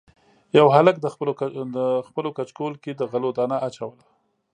یوه هلک د خپلو کچکول کې د غلو دانه اچوله.